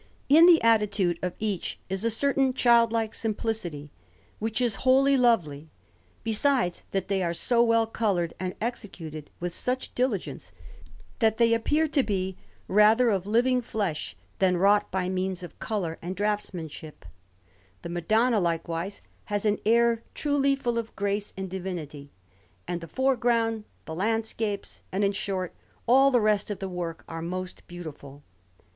In the attitude of each is a certain childlike simplicity which is wholly lovely, besides that they are so well coloured, and executed with such diligence, that they appear to be rather of living flesh than wrought by means of colour and draughtsmanship; the Madonna, likewise, has an air truly full of grace and divinity; and the foreground, the landscapes, and in short all the rest of the work, are most beautiful.